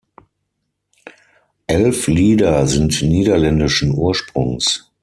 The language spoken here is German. Elf Lieder sind niederländischen Ursprungs.